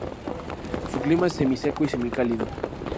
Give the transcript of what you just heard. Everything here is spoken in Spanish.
Su clima es semiseco y semicálido.